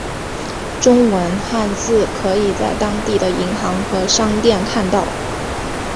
中文汉字可以在当地的银行和商店看到。